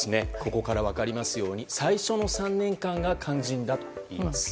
ここから分かりますように最初の３年間が肝心だといいます。